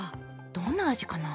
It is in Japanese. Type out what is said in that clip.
どんな味かな？